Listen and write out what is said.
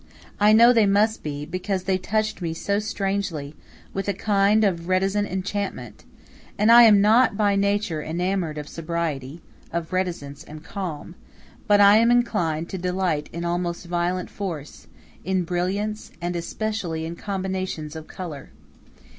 I know they must be, because they touched me so strangely, with a kind of reticent enchantment, and I am not by nature enamored of sobriety, of reticence and calm, but am inclined to delight in almost violent force, in brilliance, and, especially, in combinations of color.